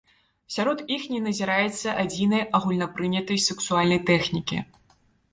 Сярод іх не назіраецца адзінай агульнапрынятай сексуальнай тэхнікі.